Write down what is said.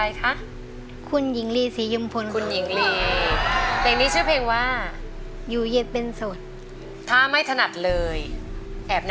รู้จักนิดค่ะ